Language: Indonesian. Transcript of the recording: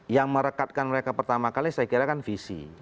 yang merekatkan mereka pertama kali saya kira kan visi